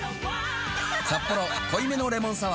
「サッポロ濃いめのレモンサワー」